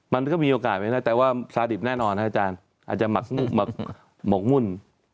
มันก็มีโอกาสไม่ได้แต่ว่าซาดิบแน่นอนนะอาจารย์อาจจะหมักหมกมุ่น